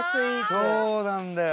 そうなんだよ。